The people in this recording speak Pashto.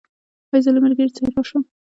ایا زه له ملګري سره راشم؟